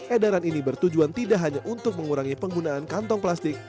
edaran ini bertujuan tidak hanya untuk mengurangi penggunaan kantong plastik